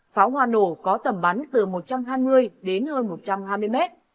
pháo hoa nổ có tầm bắn từ một trăm hai mươi đến hơn một trăm hai mươi mét